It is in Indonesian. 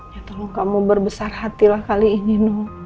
ya tolong kamu berbesar hatilah kali ini